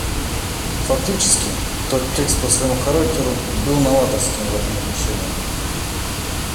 Фактически, тот текст по своему характеру был новаторским в этом отношении.